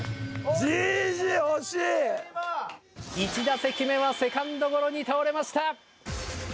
１打席目はセカンドゴロに倒れました。